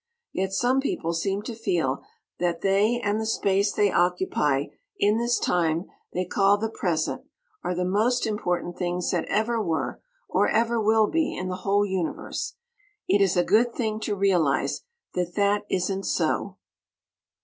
Yet some people seem to feel that they and the Space they occupy in this Time they call the Present are the most important things that ever were or ever will be in the whole Universe. It is a good thing to realize that that isn't so.